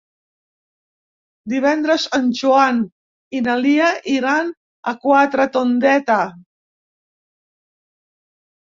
Divendres en Joan i na Lia iran a Quatretondeta.